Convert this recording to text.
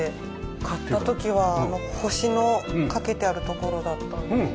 買った時は星のかけてあるところだったんですよ。